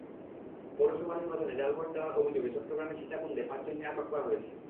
পৌরসভা নির্বাচনে জাল ভোট দেওয়ার অভিযোগে চট্টগ্রামের সীতাকুণ্ডে পাঁচজনকে আটক করা হয়েছে।